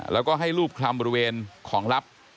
แล้วก็ให้รูปคลำบริเวณของลับ